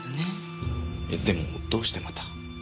えでもどうしてまた？